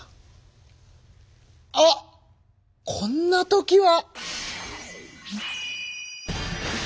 あっこんな時は！